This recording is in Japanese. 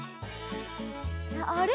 あれ？